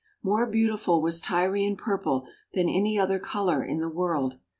More beautiful was Tyrian purple than any other colour in the world.